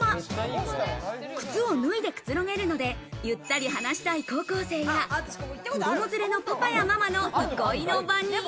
靴を脱いでくつろげるので、ゆったり話したい高校生や子供連れのパパやママの憩いの場に。